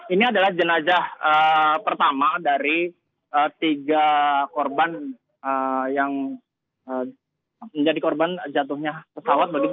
ini adalah jenazah pertama dari tiga korban yang menjadi korban jatuhnya pesawat begitu